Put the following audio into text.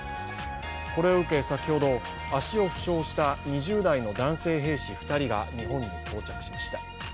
これを受け、先ほど、足を負傷した２０代の男性兵士２人が日本に到着しました。